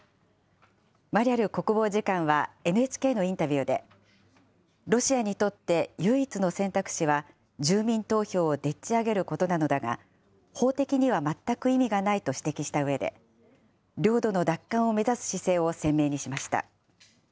マリャル国防次官はＮＨＫのインタビューで、ロシアにとって唯一の選択肢は、住民投票をでっちあげることなのだが、法的には全く意味がないと指摘したうえで、領土の奪還を目指す姿勢を鮮明にしました。